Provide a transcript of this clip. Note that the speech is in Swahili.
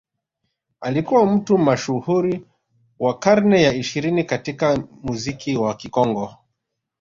Alikuwa mtu mashuhuri wa karne ya ishirini katika muziki wa Kikongo